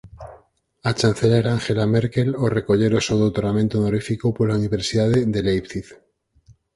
A chanceler Angela Merkel ao recoller o seu doutoramento honorífico pola Universidade de Leipzig.